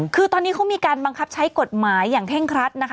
คือตอนนี้เขามีการบังคับใช้กฎหมายอย่างเคร่งครัดนะคะ